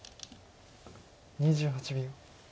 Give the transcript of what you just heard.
２８秒。